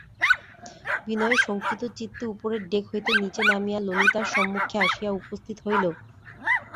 বিনয় শঙ্কিতচিত্তে উপরের ডেক হইতে নীচে নামিয়া ললিতার সম্মুখে আসিয়া উপস্থিত হইল।